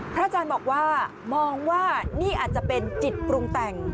อาจารย์บอกว่ามองว่านี่อาจจะเป็นจิตปรุงแต่ง